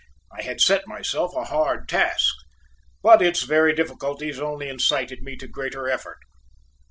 I had set myself a hard task, but its very difficulties only incited me to greater effort.